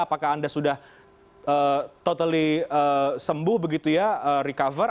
apakah anda sudah totally sembuh begitu ya recover